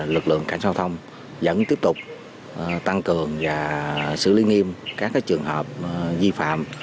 lực lượng cảnh sát giao thông vẫn tiếp tục tăng cường và xử lý nghiêm các trường hợp vi phạm